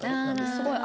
すごい。